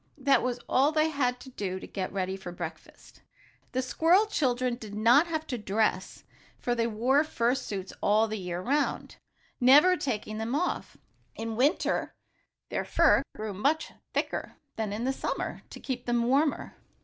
That was all they had to do to get ready for breakfast. The squirrel children did not have to dress, for they wore their fur suits all the year 'round, never taking them off. In winter their fur grew much thicker than in summer, to keep them warmer.